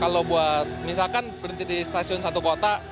kalau buat misalkan berhenti di stasiun satu kota